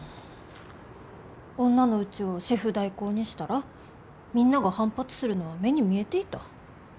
女のうちをシェフ代行にしたらみんなが反発するのは目に見えていた。